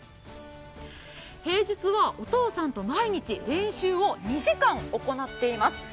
平日はお父さんと毎日、練習を２時間行っています。